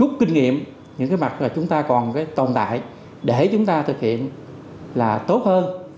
rút kinh nghiệm những mặt chúng ta còn tồn tại để chúng ta thực hiện là tốt hơn